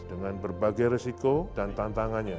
dengan berbagai resiko dan tantangannya